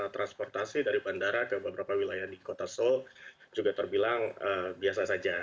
transportasi dari bandara ke beberapa wilayah di kota seoul juga terbilang biasa saja